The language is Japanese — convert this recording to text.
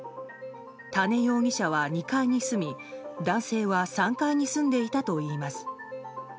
多禰容疑者は２階に住み男性は３階に住んでいたといいます。